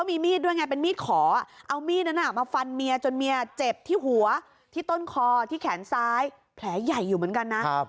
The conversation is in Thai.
พี่นั้นน่ะมาฟันเมียจนเมียเจ็บที่หัวที่ต้นคอที่แขนซ้ายแผลใหญ่อยู่เหมือนกันนะ